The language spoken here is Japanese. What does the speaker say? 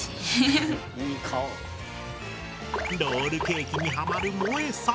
ロールケーキにハマるもえさん。